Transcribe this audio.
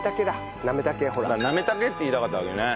なめ茸って言いたかったわけね。